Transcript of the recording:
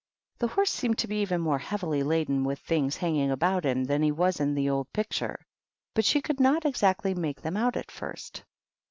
The horse seemed to be even more heavily laden with things hanging about him than he was in the old picture, but she could not ex actly make them out at first.